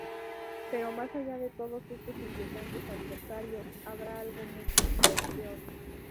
Pero más allá de todos estos inquietantes adversarios, habrá algo mucho, mucho peor...